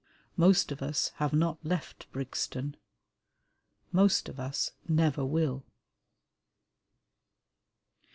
Most of us have not left Brixton; most of us never will.